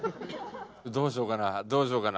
どうしようかな？